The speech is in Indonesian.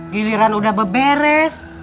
giliran udah beberes